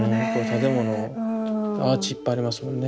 建物アーチいっぱいありますもんね。